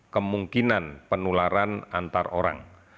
kemungkinan penularan antar orang